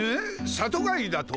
里帰りだと？